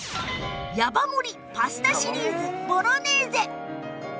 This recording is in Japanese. ヤバ盛りパスタシリーズボロネーゼ